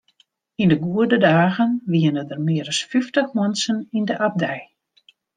Yn de goede dagen wiene der mear as fyftich muontsen yn de abdij.